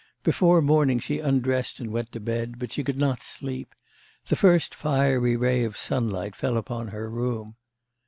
Before morning she undressed and went to bed, but she could not sleep. The first fiery ray of sunlight fell upon her room...